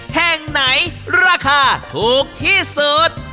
แห่งไหนราคาถูกที่สุด